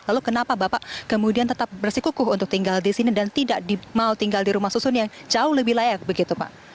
lalu kenapa bapak kemudian tetap bersikukuh untuk tinggal di sini dan tidak mau tinggal di rumah susun yang jauh lebih layak begitu pak